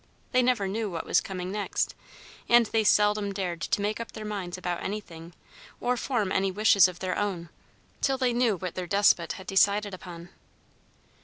They never knew what was coming next; and they seldom dared to make up their minds about anything, or form any wishes of their own, till they knew what their despot had decided upon.